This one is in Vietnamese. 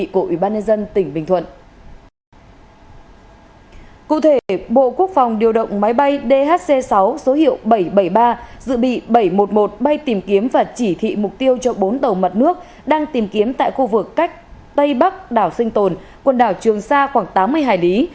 cụ thể bộ quốc phòng điều động máy bay dhc sáu số hiệu bảy trăm bảy mươi ba dự bị bảy trăm một mươi một bay tìm kiếm và chỉ thị mục tiêu cho bốn tàu mặt nước đang tìm kiếm tại khu vực cách tây bắc đảo sinh tồn quần đảo trường sa khoảng tám mươi hải lý